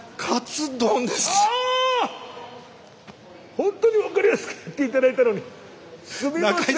本当に分かりやすくやって頂いたのにすみません！